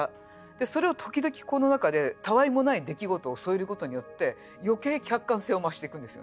でそれを時々この中でたわいもない出来事を添えることによって余計客観性を増していくんですよね。